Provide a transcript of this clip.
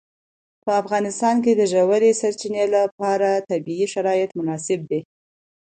په افغانستان کې د ژورې سرچینې لپاره طبیعي شرایط مناسب دي.